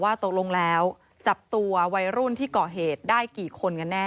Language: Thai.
ตกลงแล้วจับตัววัยรุ่นที่ก่อเหตุได้กี่คนกันแน่